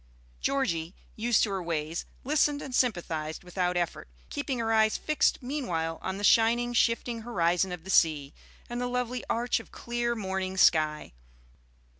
Georgie, used to her ways, listened and sympathized without effort, keeping her eyes fixed meanwhile on the shining, shifting horizon of the sea, and the lovely arch of clear morning sky.